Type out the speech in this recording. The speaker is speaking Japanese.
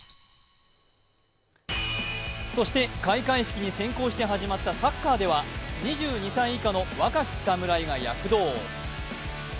そして開会式に先行して始まったサッカーでは２２歳以下の若きサムライが躍動。